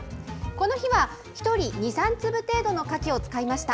この日は１人２、３粒程度のカキを使いました。